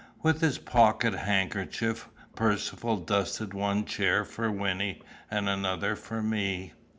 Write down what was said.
With his pocket handkerchief Percivale dusted one chair for Wynnie and another for me.